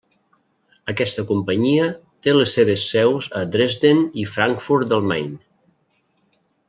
Aquesta companyia té les seves seus a Dresden i Frankfurt del Main.